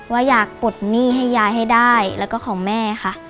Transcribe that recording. ว่าอยากปลดหนี้ให้ยายให้ได้แล้วก็ของแม่ค่ะ